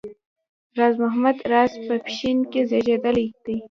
راز محمد راز په پښین کې زېږېدلی دی